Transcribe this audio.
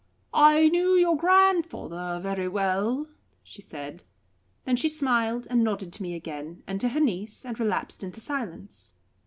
"I knew your grandfather very well," she said. Then she smiled and nodded to me again, and to her niece, and relapsed into silence.